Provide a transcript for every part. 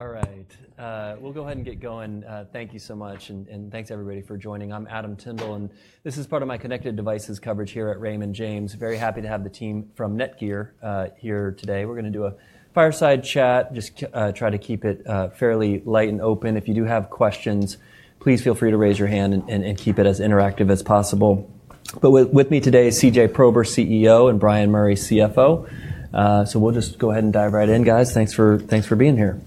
All right. We'll go ahead and get going. Thank you so much, and thanks, everybody, for joining. I'm Adam Tindle, and this is part of my connected devices coverage here at Raymond James. Very happy to have the team from Netgear here today. We're going to do a fireside chat, just try to keep it fairly light and open. If you do have questions, please feel free to raise your hand and keep it as interactive as possible. But with me today is CJ Prober, CEO, and Bryan Murray, CFO. So we'll just go ahead and dive right in, guys. Thanks for being here.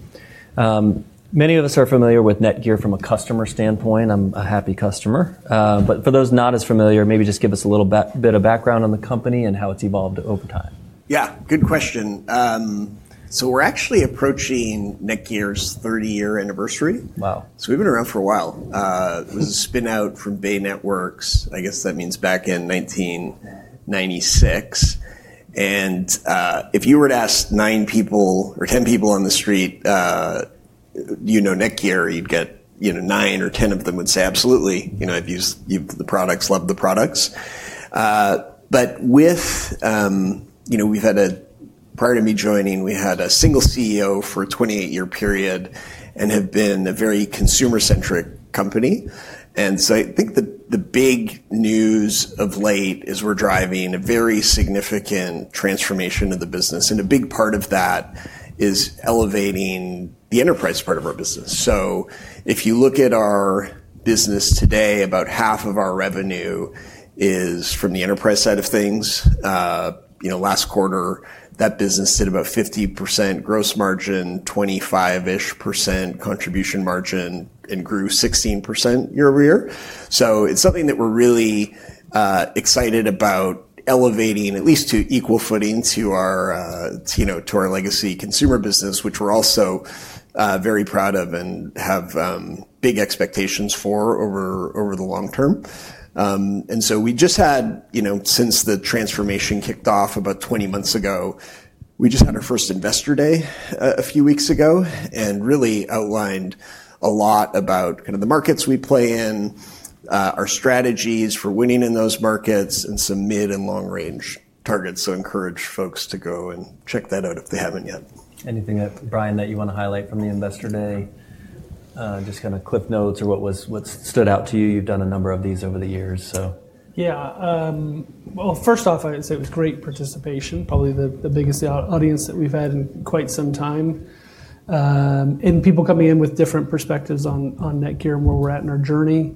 Many of us are familiar with Netgear from a customer standpoint. I'm a happy customer. But for those not as familiar, maybe just give us a little bit of background on the company and how it's evolved over time. Yeah, good question. So we're actually approaching Netgear's 30-year anniversary. Wow. So we've been around for a while. It was a spin-out from Bay Networks. I guess that means back in 1996. And if you were to ask nine people or ten people on the street, you know Netgear, you'd get nine or ten of them would say, absolutely. You know, I've used the products, love the products. But with, you know, we've had a, prior to me joining, we had a single CEO for a 28-year period and have been a very consumer-centric company. And so I think the big news of late is we're driving a very significant transformation of the business. And a big part of that is elevating the enterprise part of our business. So if you look at our business today, about half of our revenue is from the enterprise side of things. Last quarter, that business did about 50% gross margin, 25-ish% contribution margin, and grew 16% year over year. So it's something that we're really excited about elevating, at least to equal footing, to our legacy consumer business, which we're also very proud of and have big expectations for over the long term. And so we just had, since the transformation kicked off about 20 months ago, we just had our first Investor Day a few weeks ago and really outlined a lot about kind of the markets we play in, our strategies for winning in those markets, and some mid and long-range targets. So encourage folks to go and check that out if they haven't yet. Anything, Bryan, that you want to highlight from the Investor Day? Just kind of CliffsNotes or what stood out to you? You've done a number of these over the years, so. Yeah. Well, first off, I'd say it was great participation, probably the biggest audience that we've had in quite some time, and people coming in with different perspectives on Netgear and where we're at in our journey.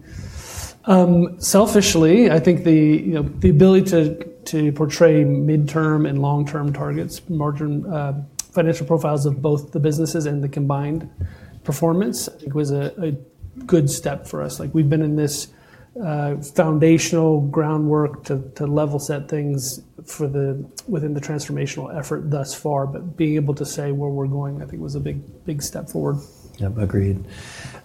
Selfishly, I think the ability to portray mid-term and long-term targets, financial profiles of both the businesses and the combined performance, I think was a good step for us. We've been in this foundational groundwork to level set things within the transformational effort thus far, but being able to say where we're going, I think, was a big step forward. Yep, agreed.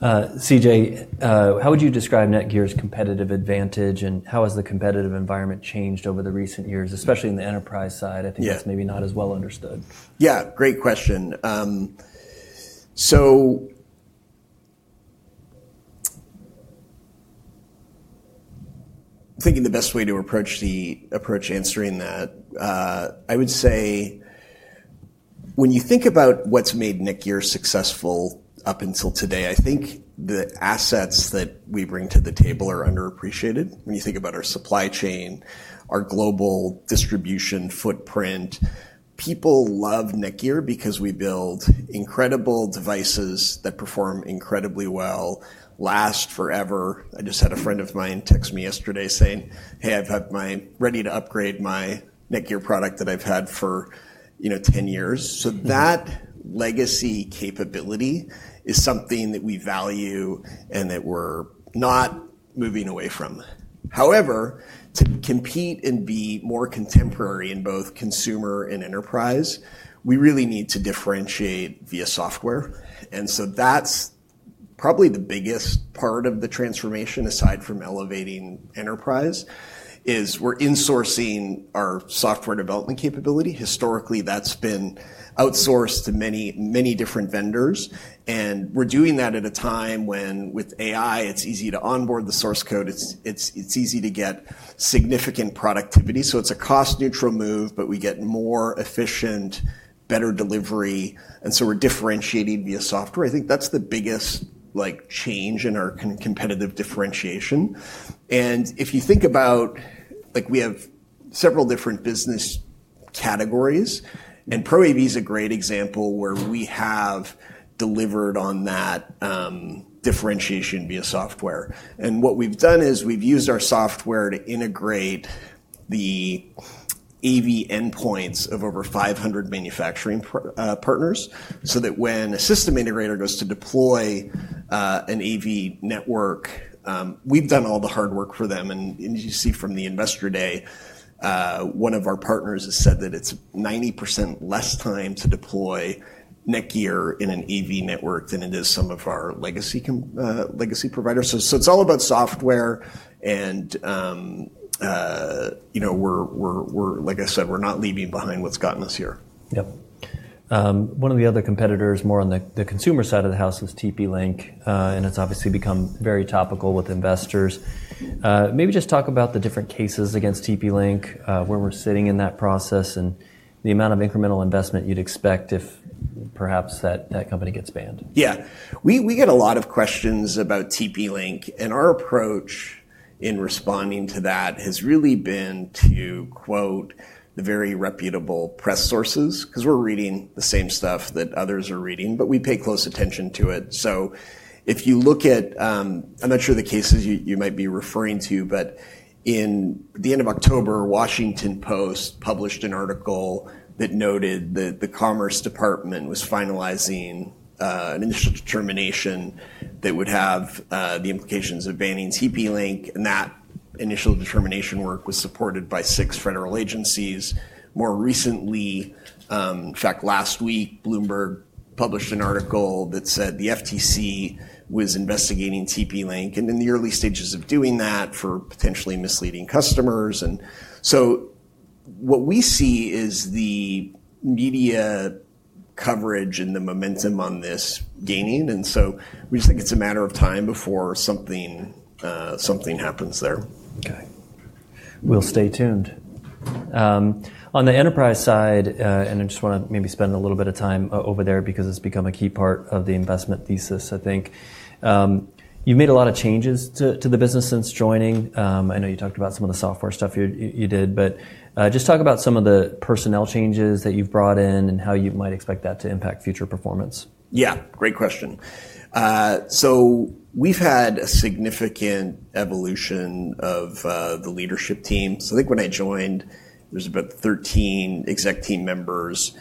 CJ, how would you describe Netgear's competitive advantage and how has the competitive environment changed over the recent years, especially in the enterprise side? I think that's maybe not as well understood. Yeah, great question. So thinking the best way to approach answering that, I would say when you think about what's made Netgear successful up until today, I think the assets that we bring to the table are underappreciated. When you think about our supply chain, our global distribution footprint, people love Netgear because we build incredible devices that perform incredibly well, last forever. I just had a friend of mine text me yesterday saying, "Hey, I'm ready to upgrade my Netgear product that I've had for 10 years." So that legacy capability is something that we value and that we're not moving away from. However, to compete and be more contemporary in both consumer and enterprise, we really need to differentiate via software. And so that's probably the biggest part of the transformation, aside from elevating enterprise, is we're insourcing our software development capability. Historically, that's been outsourced to many, many different vendors. And we're doing that at a time when, with AI, it's easy to onboard the source code. It's easy to get significant productivity. So it's a cost-neutral move, but we get more efficient, better delivery. And so we're differentiating via software. I think that's the biggest change in our competitive differentiation. And if you think about, we have several different business categories, and Pro AV is a great example where we have delivered on that differentiation via software. And what we've done is we've used our software to integrate the AV endpoints of over 500 manufacturing partners so that when a system integrator goes to deploy an AV network, we've done all the hard work for them. And as you see from the Investor Day, one of our partners has said that it's 90% less time to deploy Netgear in an AV network than it is some of our legacy providers. So it's all about software. And like I said, we're not leaving behind what's gotten us here. Yep. One of the other competitors, more on the consumer side of the house, is TP-Link, and it's obviously become very topical with investors. Maybe just talk about the different cases against TP-Link, where we're sitting in that process, and the amount of incremental investment you'd expect if perhaps that company gets banned. Yeah. We get a lot of questions about TP-Link, and our approach in responding to that has really been to quote the very reputable press sources, because we're reading the same stuff that others are reading, but we pay close attention to it. So if you look at, I'm not sure the cases you might be referring to, but in the end of October, Washington Post published an article that noted that the Commerce Department was finalizing an initial determination that would have the implications of banning TP-Link, and that initial determination work was supported by six federal agencies. More recently, in fact, last week, Bloomberg published an article that said the FTC was investigating TP-Link and in the early stages of doing that for potentially misleading customers, and so what we see is the media coverage and the momentum on this gaining. We just think it's a matter of time before something happens there. Okay. We'll stay tuned. On the enterprise side, and I just want to maybe spend a little bit of time over there because it's become a key part of the investment thesis, I think. You've made a lot of changes to the business since joining. I know you talked about some of the software stuff you did, but just talk about some of the personnel changes that you've brought in and how you might expect that to impact future performance. Yeah, great question. So we've had a significant evolution of the leadership team. So I think when I joined, there was about 13 exec team members.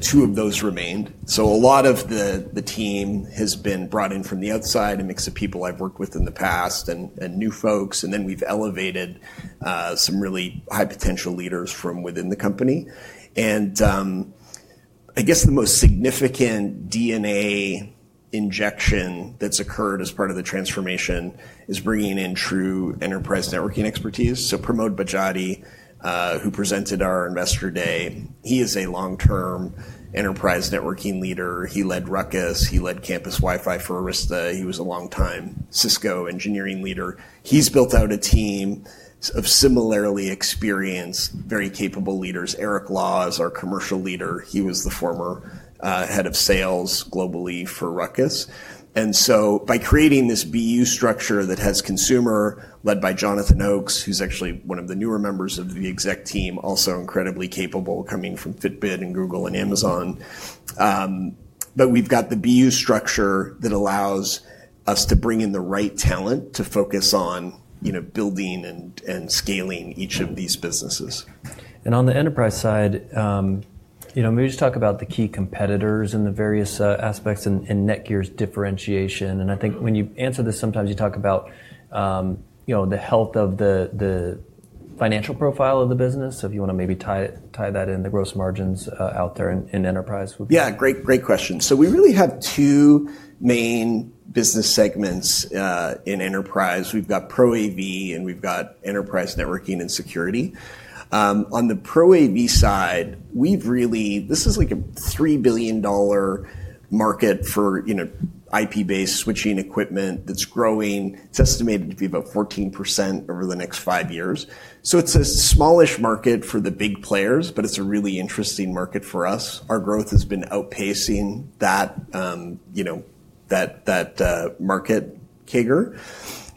Two of those remained. So a lot of the team has been brought in from the outside, a mix of people I've worked with in the past and new folks. And then we've elevated some really high potential leaders from within the company. And I guess the most significant DNA injection that's occurred as part of the transformation is bringing in true enterprise networking expertise. So Pramod Badjate, who presented our Investor Day, he is a long-term enterprise networking leader. He led Ruckus. He led campus Wi-Fi for Arista. He was a long-time Cisco engineering leader. He's built out a team of similarly experienced, very capable leaders. Eric Law is our commercial leader. He was the former head of sales globally for Ruckus. And so by creating this BU structure that has consumer led by Jonathan Oakes, who's actually one of the newer members of the exec team, also incredibly capable, coming from Fitbit and Google and Amazon. But we've got the BU structure that allows us to bring in the right talent to focus on building and scaling each of these businesses. And on the enterprise side, maybe just talk about the key competitors and the various aspects in Netgear's differentiation. And I think when you answer this, sometimes you talk about the health of the financial profile of the business. So if you want to maybe tie that in, the gross margins out there in enterprise. Yeah, great question. So we really have two main business segments in enterprise. We've got Pro AV and we've got enterprise networking and security. On the Pro AV side, we've really. This is like a $3 billion market for IP-based switching equipment that's growing. It's estimated to be about 14% over the next five years. So it's a smallish market for the big players, but it's a really interesting market for us. Our growth has been outpacing that market CAGR.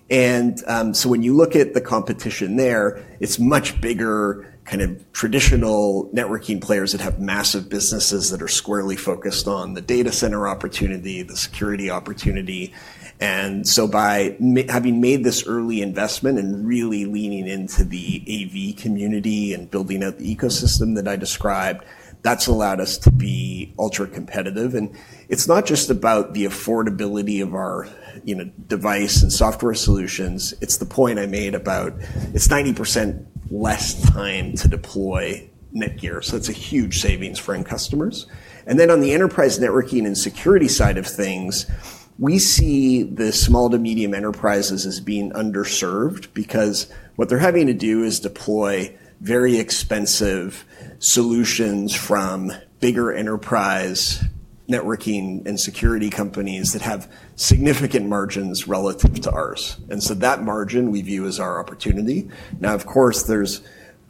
And so when you look at the competition there, it's much bigger kind of traditional networking players that have massive businesses that are squarely focused on the data center opportunity, the security opportunity. And so by having made this early investment and really leaning into the AV community and building out the ecosystem that I described, that's allowed us to be ultra competitive. It's not just about the affordability of our device and software solutions. It's the point I made about it's 90% less time to deploy Netgear. So it's a huge savings for end customers. And then on the enterprise networking and security side of things, we see the small to medium enterprises as being underserved because what they're having to do is deploy very expensive solutions from bigger enterprise networking and security companies that have significant margins relative to ours. And so that margin we view as our opportunity. Now, of course, there's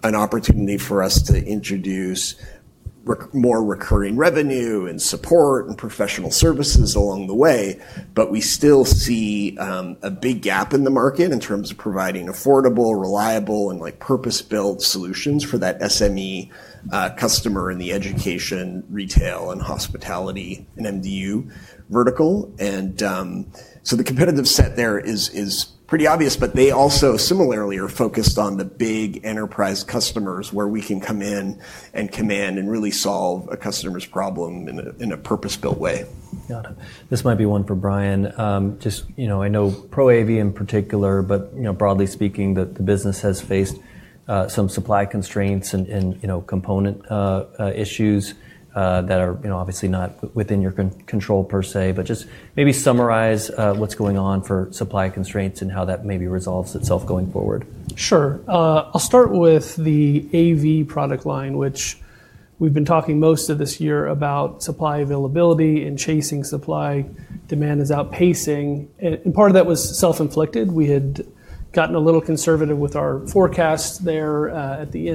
an opportunity for us to introduce more recurring revenue and support and professional services along the way, but we still see a big gap in the market in terms of providing affordable, reliable, and purpose-built solutions for that SME customer in the education, retail, and hospitality and MDU vertical. And so the competitive set there is pretty obvious, but they also similarly are focused on the big enterprise customers where we can come in and command and really solve a customer's problem in a purpose-built way. Got it. This might be one for Bryan. Just, I know Pro AV in particular, but broadly speaking, the business has faced some supply constraints and component issues that are obviously not within your control per se, but just maybe summarize what's going on for supply constraints and how that maybe resolves itself going forward. Sure. I'll start with the AV product line, which we've been talking most of this year about supply availability and chasing supply. Demand is outpacing. And part of that was self-inflicted. We had gotten a little conservative with our forecast there at the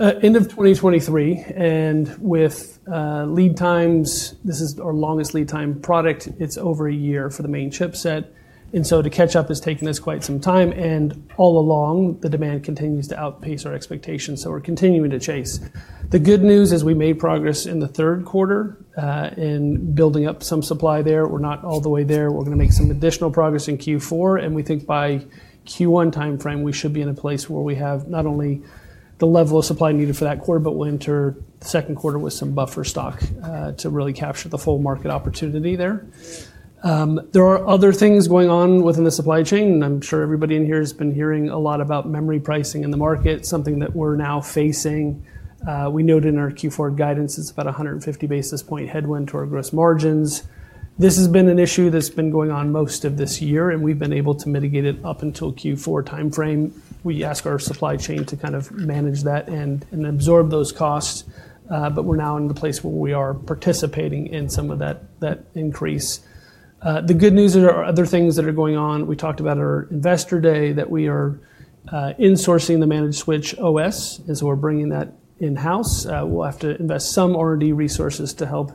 end of 2023. And with lead times, this is our longest lead time product. It's over a year for the main chipset. And so to catch up has taken us quite some time. And all along, the demand continues to outpace our expectations. So we're continuing to chase. The good news is we made progress in the third quarter in building up some supply there. We're not all the way there. We're going to make some additional progress in Q4. And we think by Q1 timeframe, we should be in a place where we have not only the level of supply needed for that quarter, but we'll enter the second quarter with some buffer stock to really capture the full market opportunity there. There are other things going on within the supply chain, and I'm sure everybody in here has been hearing a lot about memory pricing in the market, something that we're now facing. We noted in our Q4 guidance, it's about 150 basis point headwind to our gross margins. This has been an issue that's been going on most of this year, and we've been able to mitigate it up until Q4 timeframe. We ask our supply chain to kind of manage that and absorb those costs, but we're now in the place where we are participating in some of that increase. The good news is there are other things that are going on. We talked about our Investor Day that we are insourcing the managed switch OS, and so we're bringing that in-house. We'll have to invest some R&D resources to help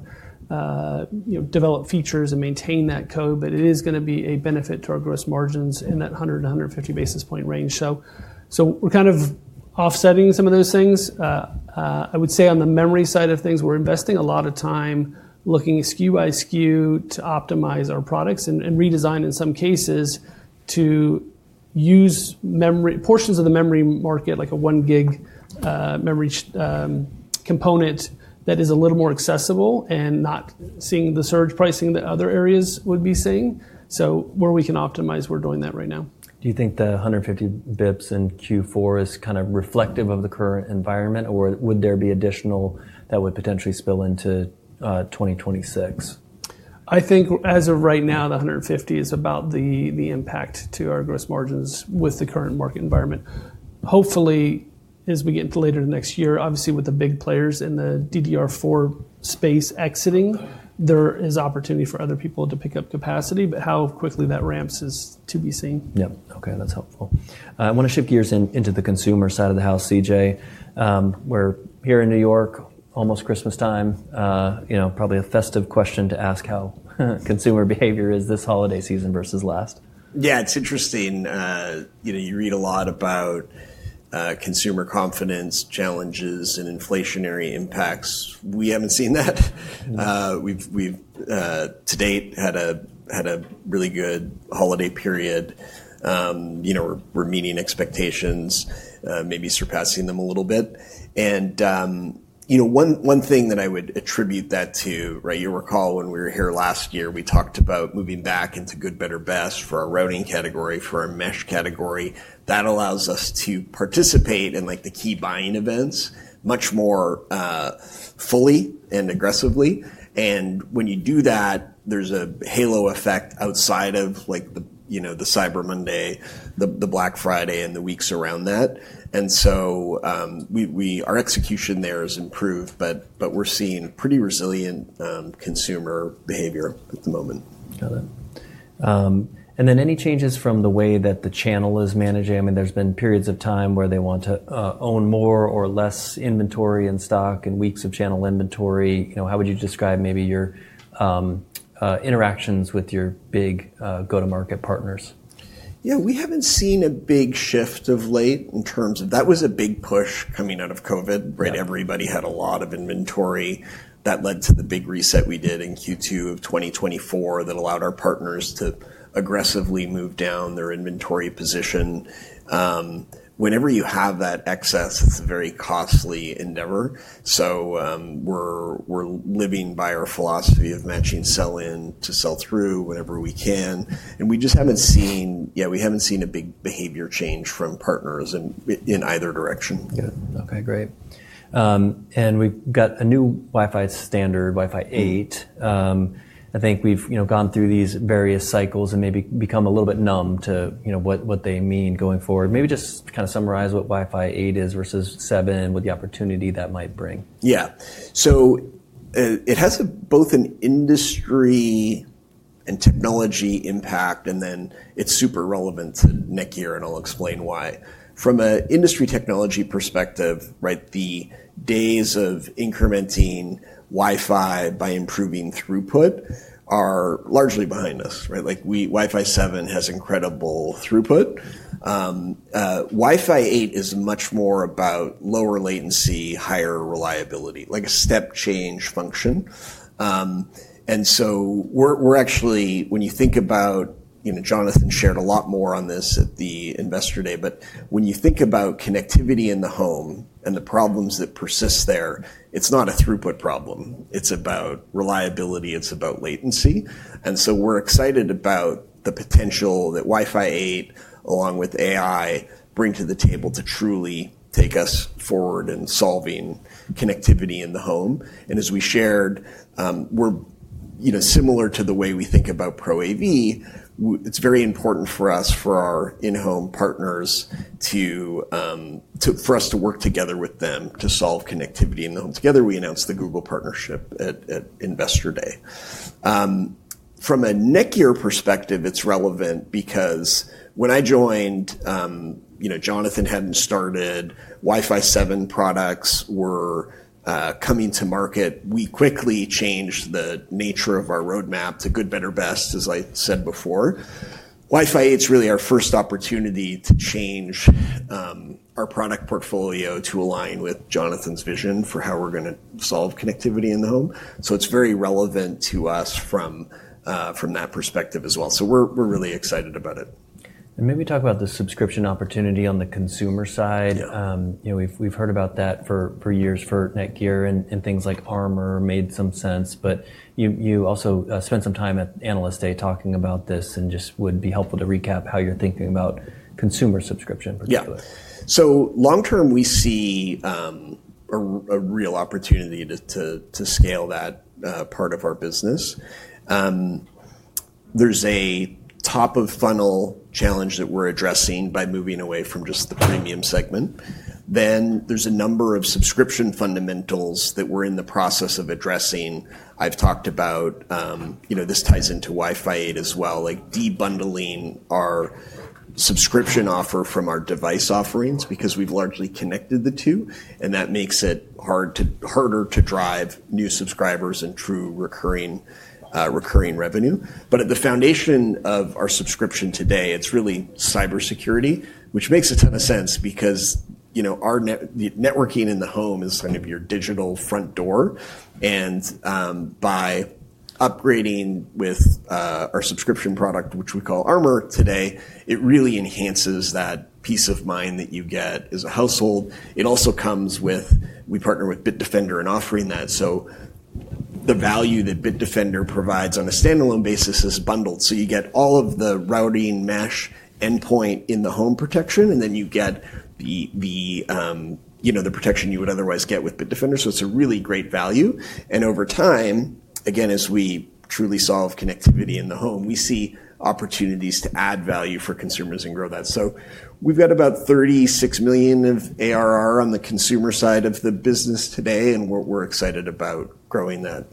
develop features and maintain that code, but it is going to be a benefit to our gross margins in that 100-150 basis points range. So we're kind of offsetting some of those things. I would say on the memory side of things, we're investing a lot of time looking SKU by SKU to optimize our products and redesign in some cases to use portions of the memory market, like a 1 gig memory component that is a little more accessible and not seeing the surge pricing that other areas would be seeing. So where we can optimize, we're doing that right now. Do you think the 150 basis points in Q4 is kind of reflective of the current environment, or would there be additional that would potentially spill into 2026? I think as of right now, the 150 is about the impact to our gross margins with the current market environment. Hopefully, as we get into later next year, obviously with the big players in the DDR4 space exiting, there is opportunity for other people to pick up capacity, but how quickly that ramps is to be seen. Yep. Okay, that's helpful. I want to shift gears into the consumer side of the house, CJ. We're here in New York, almost Christmas time. Probably a festive question to ask how consumer behavior is this holiday season versus last? Yeah, it's interesting. You read a lot about consumer confidence challenges and inflationary impacts. We haven't seen that. We've to date had a really good holiday period. We're meeting expectations, maybe surpassing them a little bit. And one thing that I would attribute that to, you'll recall when we were here last year, we talked about moving back into good, better, best for our routing category, for our mesh category. That allows us to participate in the key buying events much more fully and aggressively. And when you do that, there's a halo effect outside of the Cyber Monday, the Black Friday, and the weeks around that. And so our execution there has improved, but we're seeing pretty resilient consumer behavior at the moment. Got it. And then any changes from the way that the channel is managing? I mean, there's been periods of time where they want to own more or less inventory and stock and weeks of channel inventory. How would you describe maybe your interactions with your big go-to-market partners? Yeah, we haven't seen a big shift of late in terms of that. That was a big push coming out of COVID. Everybody had a lot of inventory. That led to the big reset we did in Q2 of 2024 that allowed our partners to aggressively move down their inventory position. Whenever you have that excess, it's a very costly endeavor, so we're living by our philosophy of matching sell-in to sell-through whenever we can, and we just haven't seen a big behavior change from partners in either direction. Okay, great. And we've got a new Wi-Fi standard, Wi-Fi 8. I think we've gone through these various cycles and maybe become a little bit numb to what they mean going forward. Maybe just kind of summarize what Wi-Fi 8 is versus 7 and what the opportunity that might bring. Yeah. So it has both an industry and technology impact, and then it's super relevant to Netgear, and I'll explain why. From an industry technology perspective, the days of incrementing Wi-Fi by improving throughput are largely behind us. Wi-Fi 7 has incredible throughput. Wi-Fi 8 is much more about lower latency, higher reliability, like a step change function. And so we're actually, when you think about, Jonathan shared a lot more on this at the Investor Day, but when you think about connectivity in the home and the problems that persist there, it's not a throughput problem. It's about reliability. It's about latency. And so we're excited about the potential that Wi-Fi 8, along with AI, bring to the table to truly take us forward in solving connectivity in the home. And as we shared, similar to the way we think about Pro AV, it's very important for us, for our in-home partners, for us to work together with them to solve connectivity in the home. Together, we announced the Google partnership at Investor Day. From a Netgear perspective, it's relevant because when I joined, Jonathan hadn't started, Wi-Fi 7 products were coming to market. We quickly changed the nature of our roadmap to good, better, best, as I said before. Wi-Fi 8 is really our first opportunity to change our product portfolio to align with Jonathan's vision for how we're going to solve connectivity in the home. So it's very relevant to us from that perspective as well. So we're really excited about it. And maybe talk about the subscription opportunity on the consumer side. We've heard about that for years for Netgear, and things like Armor made some sense, but you also spent some time at Analyst Day talking about this, and just would be helpful to recap how you're thinking about consumer subscription in particular. Yeah. So long term, we see a real opportunity to scale that part of our business. There's a top-of-funnel challenge that we're addressing by moving away from just the premium segment. Then there's a number of subscription fundamentals that we're in the process of addressing. I've talked about this ties into Wi-Fi 8 as well, like debundling our subscription offer from our device offerings because we've largely connected the two, and that makes it harder to drive new subscribers and true recurring revenue. But at the foundation of our subscription today, it's really cybersecurity, which makes a ton of sense because networking in the home is kind of your digital front door. And by upgrading with our subscription product, which we call Armor today, it really enhances that peace of mind that you get as a household. It also comes with. We partner with Bitdefender in offering that. So the value that Bitdefender provides on a standalone basis is bundled. So you get all of the routing mesh endpoint in the home protection, and then you get the protection you would otherwise get with Bitdefender. So it's a really great value. And over time, again, as we truly solve connectivity in the home, we see opportunities to add value for consumers and grow that. So we've got about 36 million of ARR on the consumer side of the business today, and we're excited about growing that.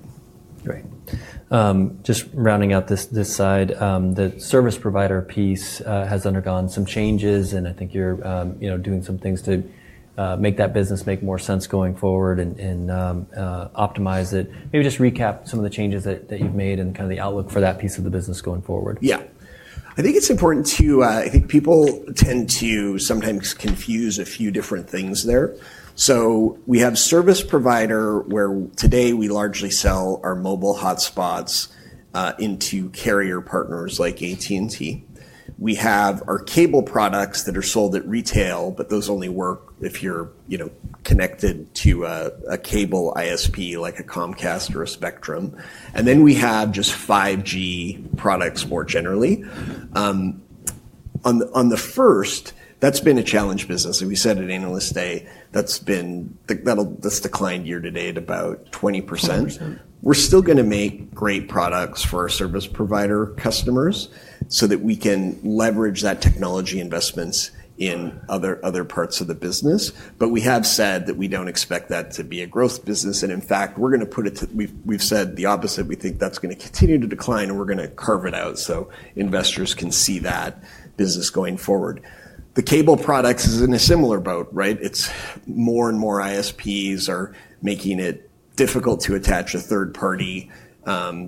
Great. Just rounding out this side, the service provider piece has undergone some changes, and I think you're doing some things to make that business make more sense going forward and optimize it. Maybe just recap some of the changes that you've made and kind of the outlook for that piece of the business going forward? Yeah. I think it's important to I think people tend to sometimes confuse a few different things there. So we have service provider where today we largely sell our mobile hotspots into carrier partners like AT&T. We have our cable products that are sold at retail, but those only work if you're connected to a cable ISP like a Comcast or a Spectrum. And then we have just 5G products more generally. On the first, that's been a challenge business. We said at Analyst Day that's declined year to date about 20%. We're still going to make great products for our service provider customers so that we can leverage that technology investments in other parts of the business. But we have said that we don't expect that to be a growth business. And in fact, we're going to put it to we've said the opposite. We think that's going to continue to decline, and we're going to carve it out so investors can see that business going forward. The cable products is in a similar boat. It's more and more ISPs are making it difficult to attach a third-party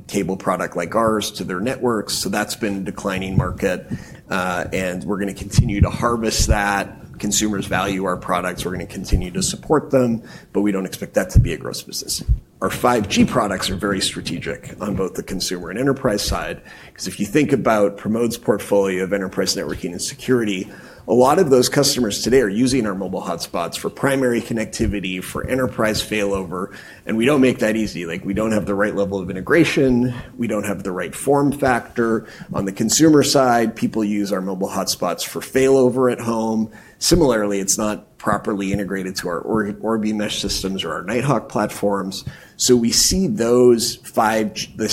cable product like ours to their networks. So that's been a declining market, and we're going to continue to harvest that. Consumers value our products. We're going to continue to support them, but we don't expect that to be a growth business. Our 5G products are very strategic on both the consumer and enterprise side because if you think about Pramod's portfolio of enterprise networking and security, a lot of those customers today are using our mobile hotspots for primary connectivity, for enterprise failover, and we don't make that easy. We don't have the right level of integration. We don't have the right form factor. On the consumer side, people use our mobile hotspots for failover at home. Similarly, it's not properly integrated to our Orbi mesh systems or our Nighthawk platforms. So we see those 5G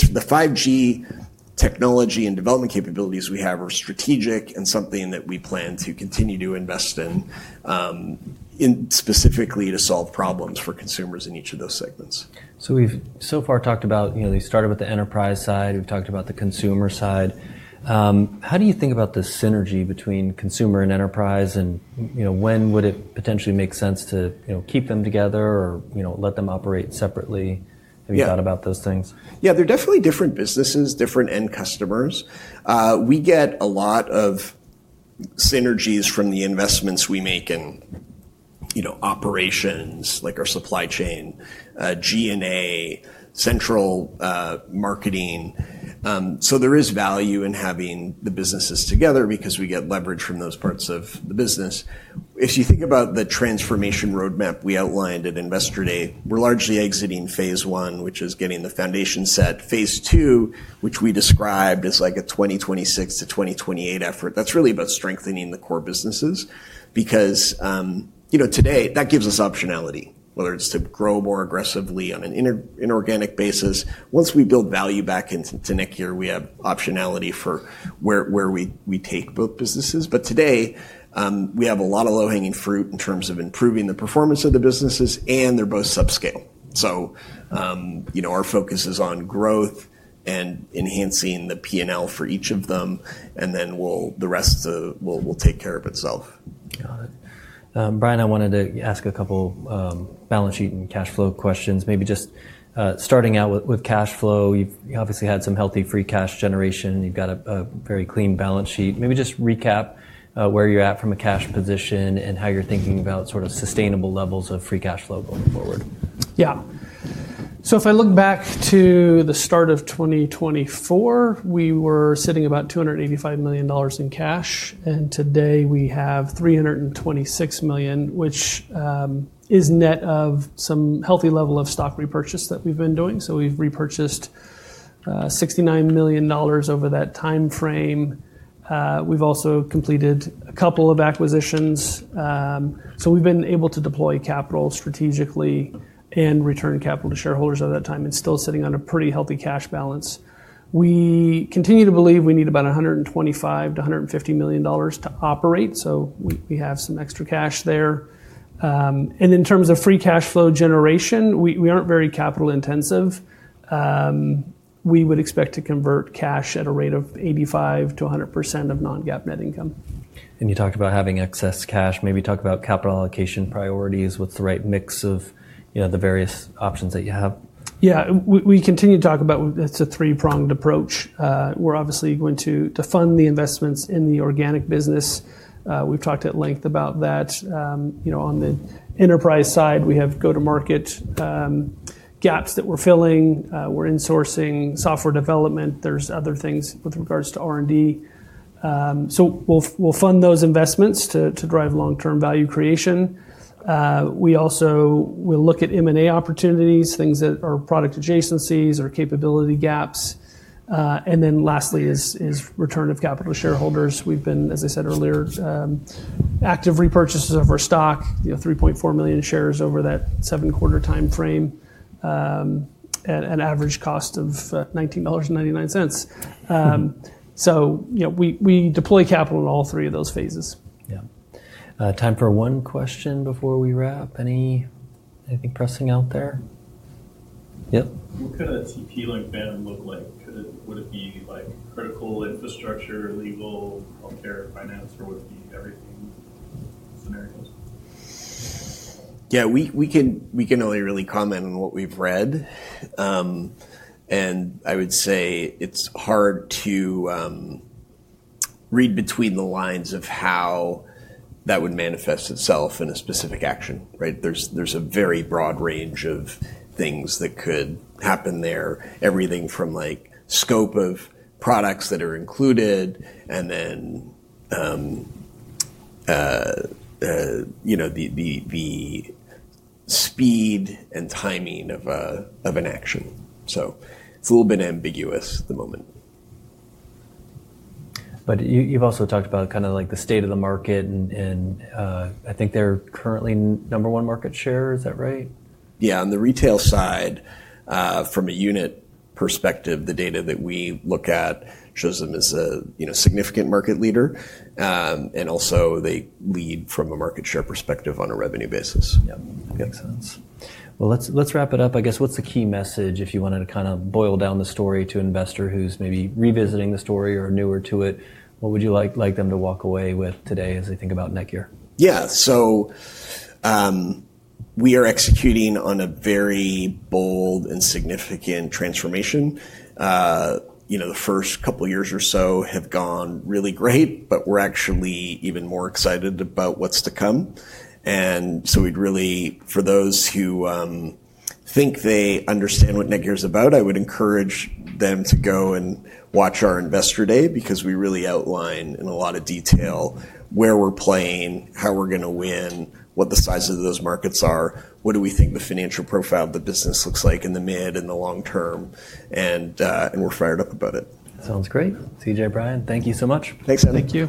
technology and development capabilities we have are strategic and something that we plan to continue to invest in specifically to solve problems for consumers in each of those segments. So we've so far talked about you started with the enterprise side. We've talked about the consumer side. How do you think about the synergy between consumer and enterprise, and when would it potentially make sense to keep them together or let them operate separately? Have you thought about those things? Yeah, they're definitely different businesses, different end customers. We get a lot of synergies from the investments we make in operations like our supply chain, G&A, central marketing. So there is value in having the businesses together because we get leverage from those parts of the business. If you think about the transformation roadmap we outlined at Investor Day, we're largely exiting phase one, which is getting the foundation set. Phase two, which we described as like a 2026 to 2028 effort, that's really about strengthening the core businesses because today that gives us optionality, whether it's to grow more aggressively on an inorganic basis. Once we build value back into Netgear, we have optionality for where we take both businesses. But today, we have a lot of low-hanging fruit in terms of improving the performance of the businesses, and they're both subscale. So our focus is on growth and enhancing the P&L for each of them, and then the rest will take care of itself. Got it. Bryan, I wanted to ask a couple of balance sheet and cash flow questions. Maybe just starting out with cash flow, you've obviously had some healthy free cash generation. You've got a very clean balance sheet. Maybe just recap where you're at from a cash position and how you're thinking about sort of sustainable levels of free cash flow going forward. Yeah. So if I look back to the start of 2024, we were sitting about $285 million in cash, and today we have $326 million, which is net of some healthy level of stock repurchase that we've been doing. So we've repurchased $69 million over that timeframe. We've also completed a couple of acquisitions. So we've been able to deploy capital strategically and return capital to shareholders over that time and still sitting on a pretty healthy cash balance. We continue to believe we need about $125-$150 million to operate. So we have some extra cash there. And in terms of free cash flow generation, we aren't very capital intensive. We would expect to convert cash at a rate of 85%-100% of non-GAAP net income. And you talk about having excess cash. Maybe talk about capital allocation priorities. What's the right mix of the various options that you have? Yeah, we continue to talk about it. It's a three-pronged approach. We're obviously going to fund the investments in the organic business. We've talked at length about that. On the enterprise side, we have go-to-market gaps that we're filling. We're insourcing software development. There's other things with regards to R&D. So we'll fund those investments to drive long-term value creation. We also will look at M&A opportunities, things that are product adjacencies or capability gaps. And then lastly is return of capital to shareholders. We've been, as I said earlier, active repurchases of our stock, 3.4 million shares over that seven-quarter timeframe, an average cost of $19.99. So we deploy capital in all three of those phases. Yeah. Time for one question before we wrap. Anything pressing out there? Yep. What could a TP-Link ban look like? Would it be critical infrastructure, legal, healthcare, finance, or would it be every scenario? Yeah, we can only really comment on what we've read. And I would say it's hard to read between the lines of how that would manifest itself in a specific action. There's a very broad range of things that could happen there, everything from scope of products that are included and then the speed and timing of an action. So it's a little bit ambiguous at the moment. But you've also talked about kind of like the state of the market, and I think they're currently number one market share. Is that right? Yeah. On the retail side, from a unit perspective, the data that we look at shows them as a significant market leader. And also they lead from a market share perspective on a revenue basis. Yeah. Makes sense. Well, let's wrap it up. I guess what's the key message if you wanted to kind of boil down the story to an investor who's maybe revisiting the story or newer to it? What would you like them to walk away with today as they think about Netgear? Yeah. So we are executing on a very bold and significant transformation. The first couple of years or so have gone really great, but we're actually even more excited about what's to come. And so we'd really, for those who think they understand what Netgear is about, I would encourage them to go and watch our Investor Day because we really outline in a lot of detail where we're playing, how we're going to win, what the size of those markets are, what do we think the financial profile of the business looks like in the mid and the long term, and we're fired up about it. Sounds great. CJ, Bryan, thank you so much. Thanks, Adam.